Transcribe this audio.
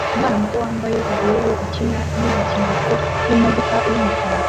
Umwana muto wambaye ubururu ukina nigikinisho cyimodoka yumukara